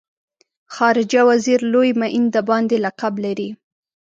خارجه وزیر لوی معین د باندې لقب لري.